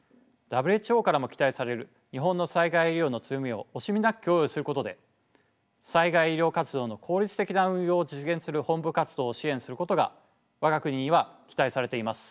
ＷＨＯからも期待される日本の災害医療の強みを惜しみなく供与することで災害医療活動の効率的な運用を実現する本部活動を支援することが我が国には期待されています。